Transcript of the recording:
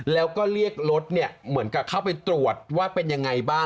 และก็เรียกรถเข้าไปตรวจว่าเป็นยังไงบ้าง